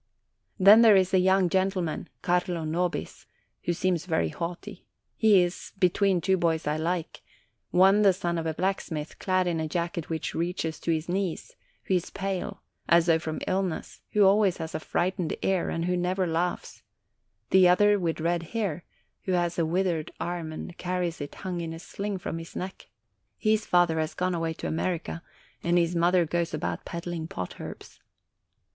Then there is a young gentleman, Carlo Nobis, who seems very haughty ; and he is between two boys I like, one the son of a blacksmith, clad in a jacket which reaches to his knees, who is pale, as though from ill ness, who always has a frightened air, and who never laughs ; and the other with red hair, who has a withered arm, and carries it hung in a sling from his neck; his father has gone away to America, and his mother goes about peddling pot herbs.